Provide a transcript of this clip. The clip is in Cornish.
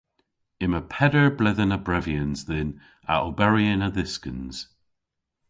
Yma peder bledhen a brevyans dhyn a oberi yn a-dhyskans.